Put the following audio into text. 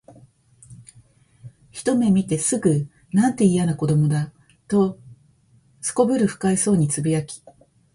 ひとめ見てすぐ、「なんて、いやな子供だ」と頗る不快そうに呟き、